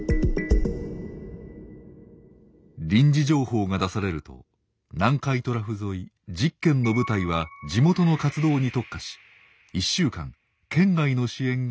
臨時情報が出されると南海トラフ沿い１０県の部隊は地元の活動に特化し１週間県外の支援ができなくなります。